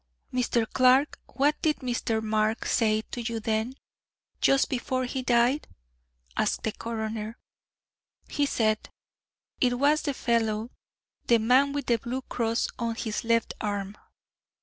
"Mr. Clark, what did Mr. Mark say to you then, just before he died?" asked the coroner. "He said: 'It was the fellow the man with the blue cross on his left arm.'"